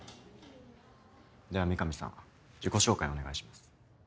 では美神さん自己紹介をお願いします。